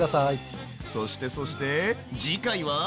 そしてそして次回は？